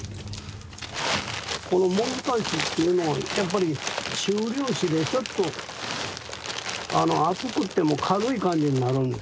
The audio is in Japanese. このもぐさ土っていうのはやっぱり中粒子でちょっと厚くっても軽い感じになるんですよ。